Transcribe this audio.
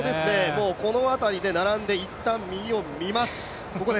この辺りで並んで、一旦、右を見ます。